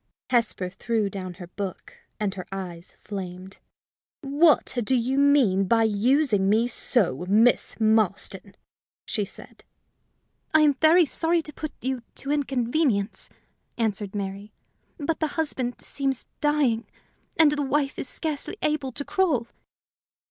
Hesper threw down her book, and her eyes flamed. "What do you mean by using me so, Miss Marston?" she said. "I am very sorry to put you to inconvenience," answered Mary; "but the husband seems dying, and the wife is scarcely able to crawl."